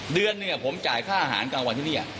เดือนหนึ่งผมจ่ายค่าอาหารกลางวันที่นี่